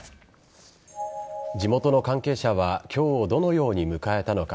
地元の関係者は今日をどのように迎えたのか。